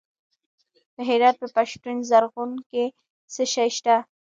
د هرات په پشتون زرغون کې څه شی شته؟